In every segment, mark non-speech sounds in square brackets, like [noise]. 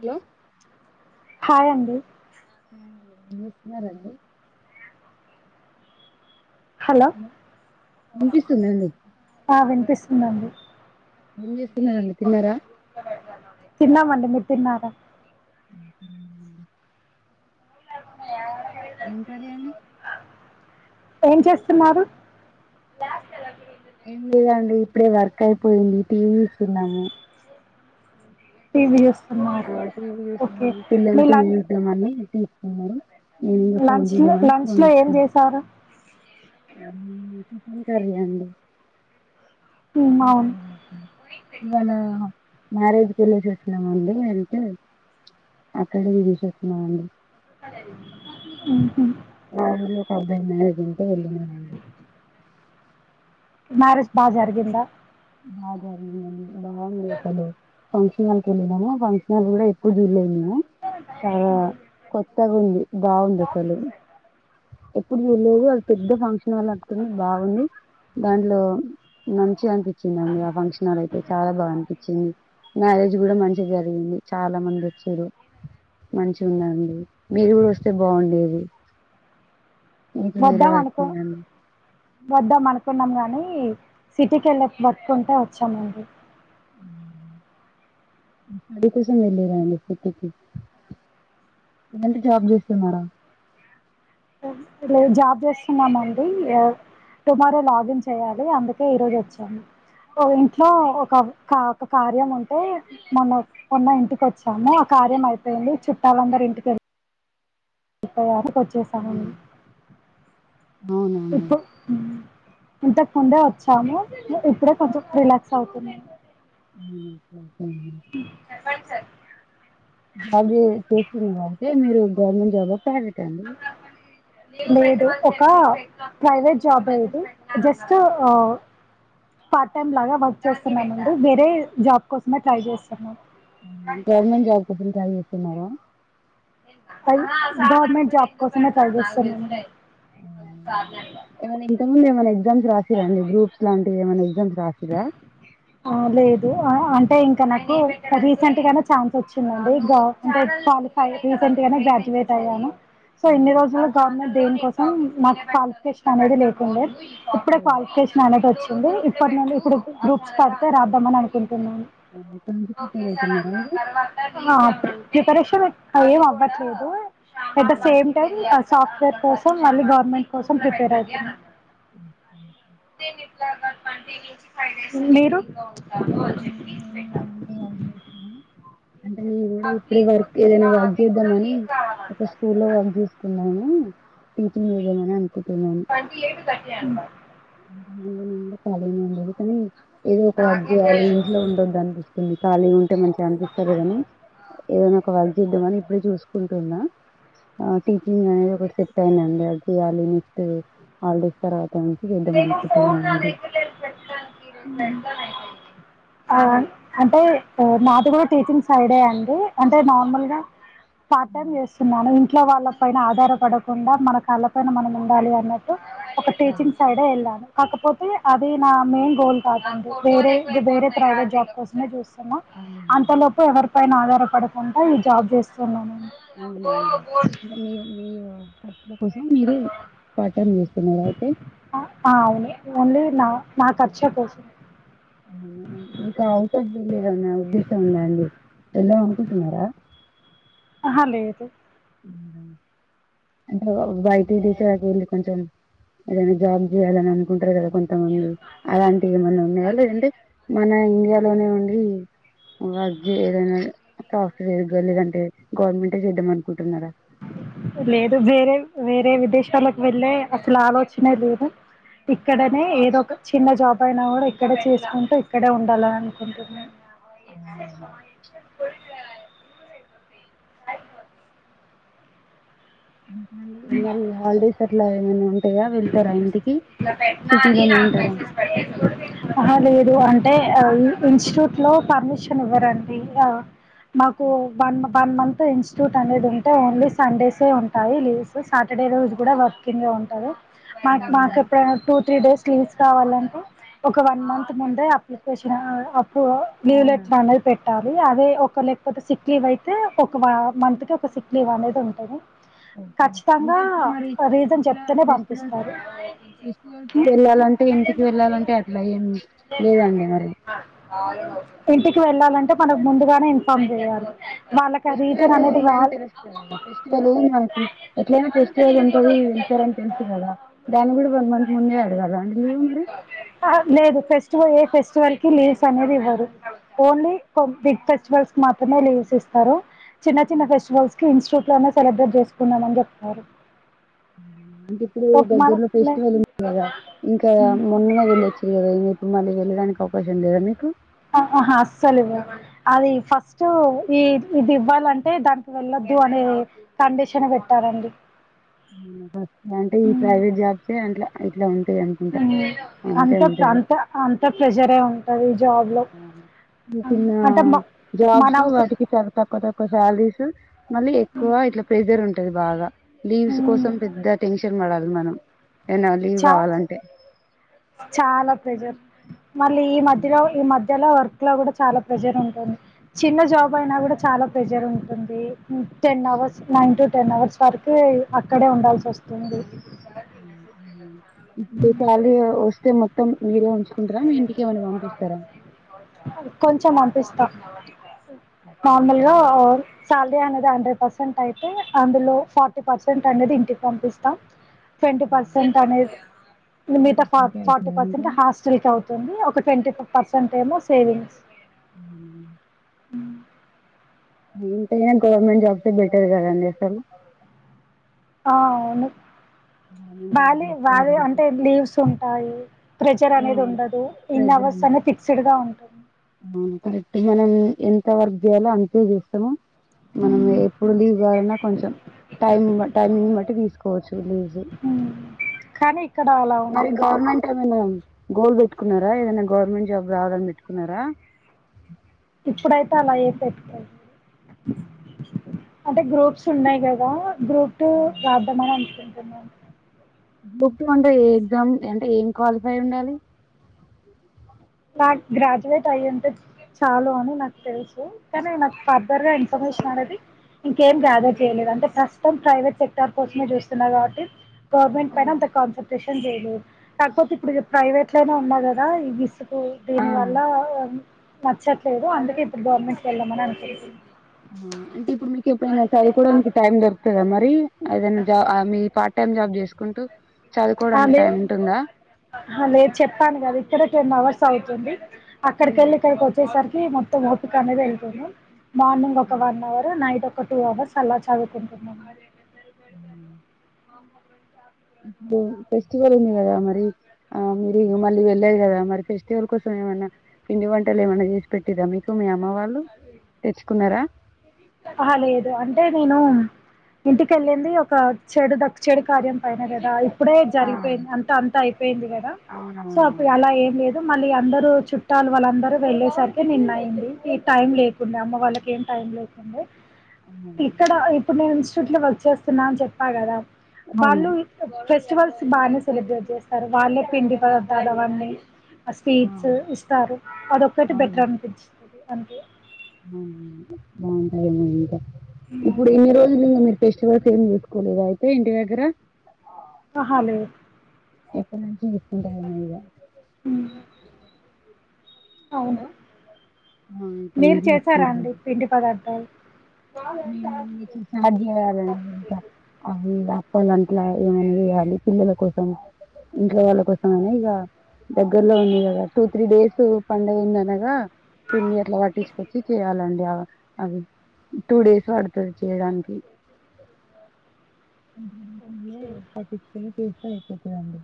Hello hi అండి ఏం చేస్తున్నారంండి హలో వినిపిస్తుందండి ఆ వినిపిస్తు సున్నాండి ఉన్నిస్ తిన్న అండి తిన్నారా తిన్నామండి మీరు తిన్నారా నూట యాభై ఇంకా నేమి ఏం చేస్తున్నారు ఏం లేదండి ఇప్పుడే వర్క్ అయిపోయింది టీవీ చూస్తున్నాము టీవి చూస్ ఆ టీవీ చూసాము పిల్లలు టీవీ చూసాం అని తీసుకున్నారు నేను ఇంకా ఫోన్ లంచ్ లో చూద్దామని లంచ్ లో ఏం చేసారు ఆ చికెన్ కర్రీ అండి మ్, అవును ఇవాళ మ్యారేజ్ కెళ్లేసి వస్తున్నామండి అంటే అక్కడేది తీసి వస్తున్నామండి ఊహూ [inaudible] మ్యారేజ్ బా జరిగిందా బా జరిగింది [inaudible] ఫంక్షన్లనుకొని వెళ్ళాము ఆ ఫంక్షన్ల్ కూడా ఎప్పుడు బిర్యాని నా చాలా కొత్తగా ఉంది బాగుంది అసలు ఎప్పుడు చెయ్ లేదు అది పెద్ద ఫంక్ష వాళ్ళ అం [unintelligible] బాగుంది దాంట్లో మంచి అనిపి వచ్చిందండి ఆ ఫంక్షన్ల్ హాల్ అయితే చాలా బాగా అనిపిచ్చింది మ్యారేజ్ ఇది కూడా మంచిగా జరిగింది చాలా మంది వచ్చాడు మంచి ఉన్నదండి మీరు కూడా వస్తే బాగుండేది ఇంటి దగ్గర వద్దాం అనుకో వర్కుందని వద్దాం అనుకున్నాం గానీ సిటీకెళ్ళే వర్క్ ఉంటే వచ్చామండి [unintelligible] కోసం వెళ్ళారా అండి సిటీకి లేదంటే జాబ్ చేస్తున్నారా లే జాబ్ చేస్తున్నామండి టుమారో లాగిన్ చేయాలి అందుకే ఈరోజొచ్చాను ఇంట్లో ఒక ఒక కార్యం ఉంటే మొన్న మొన్న ఇంటికి వచ్చాము ఆ కార్యం అయిపోయింది చుట్టాలందరూ ఇంటికెళ్ చెప్పేదానికొ చేశామండి అవునా అండి. ఇప్పు హ్మ్ ఇంతకుముందే వచ్చాము ఇప్పుడే కొంచెం రిలాక్స్ అవుతున్నా [inaudible] చెప్పండి సార్ టే మీరు గవర్నమెంట్ జాబ్ [unintelligible] లేదు ఒక ప్రైవేట్ జాబ్ లేదు జస్ట్ పార్ట్ టైమ్ లాగా వర్క్ చేస్తున్నానండి వేరే జాబ్ కోసమే ట్రై చేస్తున్నా గవర్నమెంట్ జబ్ కోసం ట్రై చేస్ తిన్నారా అది గవర్నమెంట్ జాబ్ కోసమే ట్రై చేస్తారు ఇంక [unintelligible] ఏమన్నా ఎగ్జామ్స్ రాసిర్రా అండి గ్రూప్స్ లాంటివి ఏమైనా ఎగ్జామ్స్ రాసిర్రా ఆ లేదు ఆ అంటే ఇంకా నాకు రీసెంట్ గానే ఛాన్స్ వచ్చిందండింటే క్వాలిఫై రీసెంట్ గానే గ్రాడ్యుయేట్ అయ్యాను సో ఎన్ని అవును. రోజులు గవర్నమెంట్ దని కోసం మాకు కాలిఫికేషన్ గత లేటు ఉండే ఇప్పుడే ఓహ్! క్వాలిఫికేషష్ అనేది వచ్చి ఇప్పటి నుండి ఇప్పుడు గ పడితే రాద్దామని అనుకు ఓహ్! ఇప్పటి నుంచి ఓకే ప్రిపేర్ సార్ అయితున్నారా అన్న మీరు? తర్వాత ప్రిపరేషన్ ఎ ఏం అవ్వట్లేదు at the oh! Same time software కోసం మళ్ళీ గవర్నమెంట్ కోసం ప్రిపేర్ అయితునా మ్మ్ హ్మ్ జాన్వేరీ ట్వంటీ నుంచి ఫైవ్ డేస్ మీరు ఆ నేను ఏం లేదండి. హౌస్ వైఫ్‌నే. అంటే మేము కూడా ఇప్పుడ వర్క్ ఏదైనా వర్క్ చేద్దామని ఒక స్కూల్ లో వర్క్ చేసుకున్నాము టీచంగ్ [unintelligible] ట్వంటీ ఎయిట్ థర్టీ అంట కాలేజీ ఉందని తెల్ ఏదో ఒక వర్క్ చేయాలి ఇంట్లో ఉండొద్దు అనిపిస్తుంది ఖాళీ ఉంటే మంచిగా అనిపిస్త లేదనీ ఏదైనా ఒక వర్క్ చేద్దామ అని ఇప్పుడే చూసుకుంటున్న అ టీచింగ్ అనేది ఒక సెక్టార్ అండి చేయాలీ హాలిడేస్ తర్వాత చేద్దాం నేను అనుకుంటున్నా ఫోన్ అండి [unintelligible] ఆ అంటే నాది కూడ టీచింగ్ సైడే అండి అంటే నార్మల్గా పార్ట్ టైం చేస్తున్నాను ఇంట్ లో వాళ్ళ పైన ఆధారపడకుండ మన కాళ్ళపైన మనం ఉండాలి అని నెక్స్ట్ ఒక ఓ టీచింగ్ సైడే వెళ్ళాను కపోతె అే అది నా మెయిన్ గోల్ కాదండి వేరే ఇది వేరే ప్రైవేట్ జాబ్ కోసమే చూస్ స్తున్న అవునండి అంతలోపు ఎవరు పైన ఆధారపడకుంట ఈ జాబ్ చేస్తున్నాను అవునండి మీ మీవ అందుకోసం మీరు పార్ట్ టైమ్ చేస్తున్నార అయితే అవును ఓన్లీ నా నా ఖర్చు కోసం మీకు ఆవుట్ ఆఫ్ విలేజ్ అన్న ఉద్దేశం ఉందా అండి తెల్వద్ అనుకుంటున్నారా ఆహా లేదు అంటే బయటికి తీసుకురాకుండ కొంచెం ఏదైన జాబ్ చేయాలని అనుకుంటరు కదా కొంత మంది అలాంటివి ఏమన్నా ఉన్నాయ లేదంటే మన ఇండియాలోనే ఉండీ ఏదైన సాఫ్ట్వేర్గా లేదంటే గవర్నమెంటే చేద్దాంమను లేదు వేరేవి వేరే విదేశాలకు వెళ్ళే అసలు ఆలోచనే లేదు ఇక్కడనే ఏదో ఒక చిన్న జాబ్ అయినా కూడ ఇక్కడె చేసుకుంటూ ఇక్కడే ఉండాలని అనుకుంటున్నాను అవునండి. [unintelligible] మరి హాలిడేస్ ఎట్లా మ్.. ఆ.. సిటీలోనే ఉంటారా హా. లేదు అంటే ఇన్స్టిట్యూట్ లో పర్మిషన్ ఇవ్వరండి ఇంక మాకు వన్ వన్ మంత్ ఇన్స్టిట్యూట్ అనేది ఉంటే ఓన్లీ సండేసే ఉంటాయి లీవ్స్ సాటర్డే రోజు కూడా వర్కింగే ఉంటది మా మాకుప్పుడు టూ త్రీ డేస్ లీవ్స్ కావాలంటే ఒక వన్ మంత్ ముందే అప్లికేషన్ యూ అవునా లెటర్ అనల్ పెట్ [unintelligible] ట్టాలి అదే ఒక లేకపోతే సిక్ లీవ్ అయితే ఒక వ మంత్ కి ఒక సిక్ లీవ్ అనేది ఉంటది ఓకే అంటే ఖచ్చితంగా ఇప్పుడు మరి రీజన్ ఇలా చెప్తేనే పంపి [unintelligible] వెళ్ళాలంటే ఇంటికి వెళ్ళాలంటే అట్లా ఏం లేదండి మరి ఇంటికి వెళ్ళాలంటే మనకు ముందుగానే ఇన్ఫార్మ్ చేయాలి వాళ్ళకి ఆ ఫెస్టివల్ రీజన్ అనేది ఉందని వాల్ తెలుస్తది అంటె ఫెస్టివల్ మాకు ఎట్లనా ఫెస్టివల్ ఉంటది వెళ్తారని తెల్సు కదా దాన్ని కూడా వన్ మంత్ ముందే అడగాల అండి లీవ్ మరి లేదు ఫెస్టివల్ ఏ ఫెస్టివల్ కి లీవ్స్ అనేది ఇవ్వరు ఓన్లీ బిగ్ ఫెస్టివల్స్ కి మాత్రమే లీవ్స్ ఇస్తారు చిన్న చిన్న ఫెస్టివల్స్ కి ఇన్స్టిట్యూట్ లోనే సెలబ్రేట్ చేసుకుందామని చెప్తారు అంటే ఇప్పుడు ఒక దగ్గరలో మన పెస్టవెల్ ఉంది కదా ఇంకా మొన్ననే వెళ్ళొచ్చీరు కదా ఇ మళ్ళీ వెళ్ళడానికి అవకాశం లేదా నీకు ఆహా అస్సలు ఇవ్వరు అది ఫస్ట్ ఈ ఇది ఇవ్వాలంటే దానికి వెళ్ళొద్దు అనే కండిషన్ పెట్టారంండి అంటే ఈ ప్రైవేట్ జాబ్సే అంట్లా ఇట్లా ఉం టది అనుకుంట ఉమ్. అంతే అంత ఉంటది అంత అంత ప్రెషరే ఉంటది జాబ్ లో అంటే మ- మన జాబ్స్ అవసరం వాటికి చాలా తక్కువ తక్కువ సాలరీస్ మళ్ళీ ఎక్కువ ఇట్లా ప్రెజర్ ఉంట అది బాగా బీన్స్ పెద్ద టెన్షన్ పడాలి మనం ఏనా లీవ్ చా కావాలంటే చాలా ప్రెజర్ మళ్ళీ ఈ మధ్యలో ఈ మ ఇలా వర్క్ లో కూడా చాలా ప్రెజర్ ఉంటుంది చిన్న జాబ్ అయినా కూడా చాలా ప్రెజర్ ఉంటుంది ten hours nine to ten hours వరకు అక్కడే ఉండాల్సి వస్తుంది అ ఉ ఈ శాలరీ వస్తే మొత్తం మీరే ఉంచు కొంచెం అనిపిస్తా ఓకే, ఇంట్లో నార్మల్గా మనం సాలరీ అనేది హండ్రెడ్ పర్సెంట్ అయితే అందులో ఫార్టీ పర్సెంట్ అనేది ఇంటికి పంపిస్తా ట్వంటీ ఉమ్, పర్సెంట్ అనేది మీ మిగతా ఖర్చులకే ఫార్టీ అయితాయా పర్సెంట్ ఇంకా? హాస్ అవుతుంది ఒక టెన్ టు ఫైవ్ పర్సెంట్ ఏమో సేవింగ్స్ కి ఉ ఎంతైనా గవర్నమెంట్ జాబ్స్ బెటర్ కదండీ అసలు ఆవును గవర్నమెంట్ జాబ్ బాలే చేస్తే అది బాలేదు అంటే బెటర్ లీవ్స్ ఉ అయి ప్రెజర్ అనేది ఉండదు ఇన్ అవర్స్ అనేది ఫిక్స్డ్ గా ఉంటుంది ఉ కరెక్ట్ గానే ఏన్ ఎంత వర్క్ చేయాలో అంతే చేస్తరు మనం హ్మ్. ఎప్పుడు లీవ్ కావాలన్నా కొంచెం టైమ్ బట్టి టైమింగ్ నీ బట్టి తీసుకోవచ్చు హ్మ్. కానీ ఇక్కడ అలా మరి ఉండదు గవర్నమెంట్ ఏమన్నా గోల్ పెట్టుకున్నారా ఏదైనా గవర్మెంట్ జాబ్ రావాలని పెట్టు కున్నార ఇప్పుడైతే అలా ఏసై ఓ అంటే గ్రూప్స్ ఉన్నాయి కదా గ్రూప్ టు రాద్దామని అంతే [unintelligible] బుక్ అంటే ఏ ఎగ్జామ్ అంటే ఏం క్వాలిఫై ఉండాలి నాకు గ్రాడ్యుయేట్ అయ్యింటే చాలు అని నాకు తెలుసు కానీ నాకు ఫర్దర్ గా ఇన్ఫర్మేషన్ అనేది ఇంకేం గ్యాదర్ చేయలేదు అంటే ప్రస్తుతం ప్రైవేట్ సెక్టార్ కోసమే చూస్తున్నా కాబట్టి గవర్నమెంట్ పైనంత కాన్సట్రేషన్ లేదు కాకపోతే ఇప్పుడు ప్రైవేట్ లోనే ఉన్నా కదా ఈ దీని వల్ల నచ్చట్లేదు అందుకే ఇప్పుడు గవర్నమెంట్ వెళదామని అనిపిస్తుంది ఆ, అంటే ఇప్పుడు మీకు ఎప్పుడైనా చదువుకోవడా మీకు టైం దొరుకుదా మరి ఏదనా జాబ్ మీ పార్ట్ టైమ్ జాబ్ చేసు కుంటూ లేదు హ లేదు చెప్పాను కదా ఇక్కడ టెన్ అవర్స్ సవుతుంది అక్కడికిెళ్ళి ఇకడికి వచ్చేసరికి మొత్తం ఓపిక అనేద ఇళ్తు మార్నింగ్ ఒక వన్ అవర్ నైట్ ఒక ఒక టూ అవర్స్ అలా చదువుకుంటున్నా అ [inaudible] ఫెస్టివల్ ఉంది కదా మరి ఆ మీరు మళ్ళీ వెళ్ళది కదా మరి ఫెస్టివల్ కోసం ఏమన్నా పిండి వంటలు ఏమన్నా చేసి పెట్టిదా మీకు మీ అమ్మ వాళ్ళు తెచ్చుకున్నారా అ లేదు అంటే నేను ఇంటికెళ్ళింది ఒక చెడు దక్ చెడు కార్యం పైన కదా ఇప్పుడే జరిగిపోయింది అంత అంత అయిపోయింది కదా సో అప్పుడు అవునవునవును అలా ఏం లేదు మళ్ళీ అందరు చుట్టాలు వాళ్ళందరు వెళ్ళేసరికె నిన్న అయింది ఈ టైం లేకుండే అమ్మ వాళ్ళకి ఏం టైం లే అ [inaudible] అవునండి ఇక్కడ ఇప్పుడు నేను ట్లు వర్క్ చేస్తున్నా అని చెప్పా కదా అవును బల్లు ఫెస్ ఫెస్టివల్స్ బాగానే సెలబ్రేట్ చేస్తారు వాళ్ళే పిండి పదర్ధాలు అవన్నీ స్వీట్స్ ఇస్తారు అదొక్కటి బెటర్ అనిపించింది [unintelligible] [unintelligible] ఇప్పుడు ఎన్ని రోజులు మీరు ఫెస్టివల్ ఎం తీసుకులేదా అయితే ఇంటి దగ్గర అహ లేదు ఎప్పునుంచి [inaudible] అవును ఆ ఇప్పటి మీరు నుంచి చేసారా చేసుకుంటారేమో అండి పిండి పదార్థాలు మా మేము ఇంకా త స్టార్ట్ ఏ వాళ్ళ అంట్లా ఏమని వేయాలి పిల్లల కోసం ఇంట్లో వాళ్ళ కోసం అనే ఇక దగ్గర్లో ఉంది కదా టూ త్రీ డేస్ పండుగ ఉంది అనగా పిండి అట్లా పట్టించుకొచ్చి చేయ్యాలండి ఆ అవి టూ డేస్ పడుతుంది చేయడానికి ఓకే. పటిచ్చ కేసు ఒకే అండి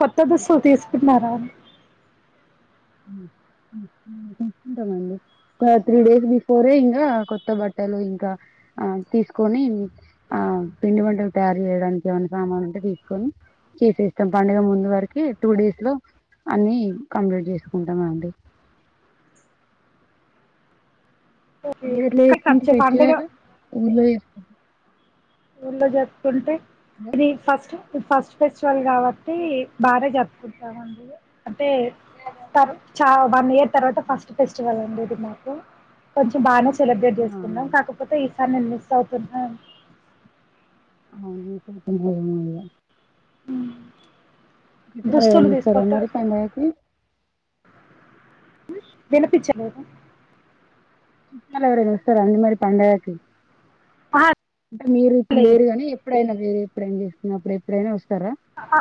కొత్త దుస్తులు తీసుకున్నారా తీసుకుంటామండి ఒక త్రీ డేస్ బిఫోరే ఇంకా కొత్త బట్టలు ఇంకా తీసుకొని ఆ పిండి మంటలు తయారు యడానికి ఏమైనా సామానులు ఉంటే తీసుకొని చేసేస్తాం పడుగ ముందు వరకు టూ డేస్ లో అన్ని కంప్లీట్ చేసుకు కుంట మండి ఓకే. మీరు ఎట్లా కానీ చేసుకుంటారు ఖర్చు పండుగ ఫెస్టివలు ఊర్లో చేస్ ఊర్లో జరుపుకుంటే రీ ఫస్టు ఫస్ట్ ఫెస్టివల్ కాబట్టి బాగా జరుపుకుంటామండి అంటే చ వన్ ఇయర్ తర్వాత ఫస్ట్ ఫెస్టివల్ అండి ఇది మాకు కొంచెం బాగానే సె సెలబ్రేట్ ఆ చేసుకున్నాం కాకపోతే తనని మిస్ అవుతున్న అవుతుని మ దుస్తులు తీసుకొత్త [unintelligible] వినిపించలేదు చుట్టాలు ఎవరైనా వస్తారా అండి మరి పండగకి అ అంటే మీరు ఇప్పుడు లేరు గా నీ ఎప్పుడైనా వేరే ఇప్పు ఏం చేస్తుప్పుడు ఎప్పుడైనా వస్తారా అహ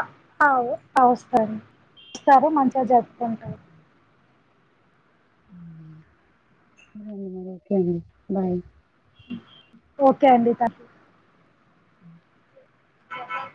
అవు ఆ వస్ సరే మంచిగా జరుపుతుంటారు సరే అండి మరి ఓకే అండి బాయ్ ఓకే అండి థ్యాంక్ యూ అ ఆ